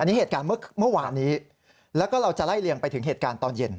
อันนี้เหตุการณ์เมื่อวานี้แล้วก็เราจะไล่เลี่ยงไปถึงเหตุการณ์ตอนเย็น